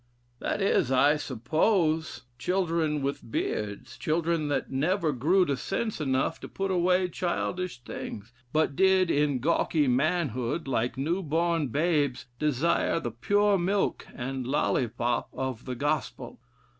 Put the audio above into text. That is, I suppose, children with beards, children that never grew to sense enough to put away childish things, but did in gawky manhood, like new born babes, desire the pure milk and lollipop of the gospel.